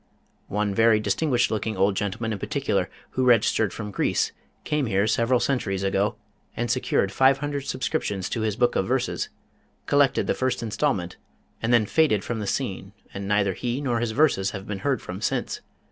One very distinguished looking old gentleman in particular, who registered from Greece, came here several centuries ago and secured five hundred subscriptions to his book of verses, collected the first instalment, and then faded from the scene and neither he nor his verses have been heard from since.